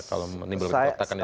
kalau menimbulkan protekan itu